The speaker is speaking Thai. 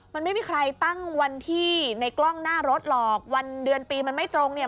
มันไม่มีใครตั้งวันที่ในกล้องหน้ารถหรอกวันเดือนปีมันไม่ตรงเนี่ย